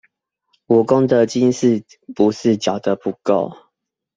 我功德金是不是繳得不夠？